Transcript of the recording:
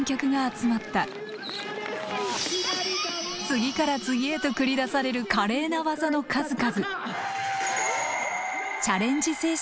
次から次へと繰り出される華麗な技の数々。